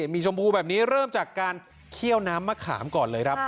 มีชมพูแบบนี้เริ่มจากการขี้มน้ำมะขามก่อนเลย